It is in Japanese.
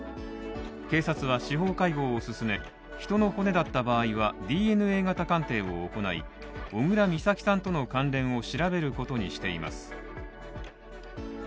警察は司法解剖を進め、人の骨だった場合は、ＤＮＡ型鑑定を行い、小倉美咲さんとの関連を調べることにしています。